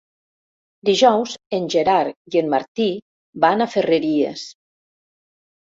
Dijous en Gerard i en Martí van a Ferreries.